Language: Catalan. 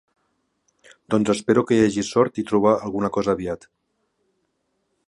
Doncs espero que hi hagi sort i trobar alguna cosa aviat.